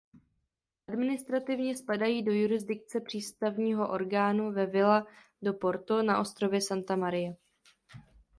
Administrativně spadají do jurisdikce přístavního orgánu ve Vila do Porto na ostrově Santa Maria.